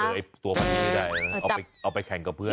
ใช่ไหมคะเอาไอ้ตัวปานินได้เอาไปแข่งกับเพื่อน